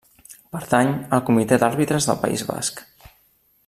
Pertany al Comitè d'Àrbitres del País Basc.